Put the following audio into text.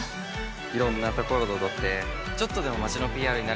いろんな所で踊ってちょっとでも街のＰＲになればって。